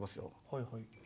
はいはい。